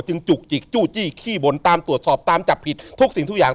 จุกจิกจู้จี้ขี้บ่นตามตรวจสอบตามจับผิดทุกสิ่งทุกอย่าง